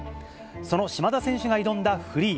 その島田選手が挑んだフリー。